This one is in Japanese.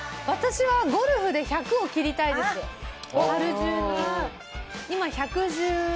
私はゴルフで１００を切りたいです、春中に。